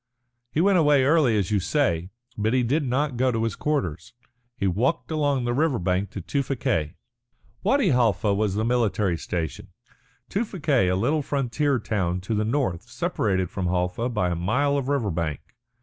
"He went away early, as you say. But he did not go to his quarters. He walked along the river bank to Tewfikieh." Wadi Halfa was the military station, Tewfikieh a little frontier town to the north separated from Halfa by a mile of river bank.